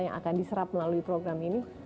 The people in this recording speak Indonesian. yang akan diserap melalui program ini